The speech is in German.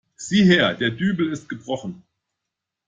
Sieh hier, der Dübel ist gebrochen.